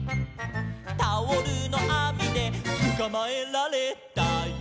「タオルのあみでつかまえられたよ」